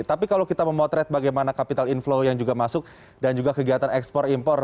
tapi kalau kita memotret bagaimana capital inflow yang juga masuk dan juga kegiatan ekspor impor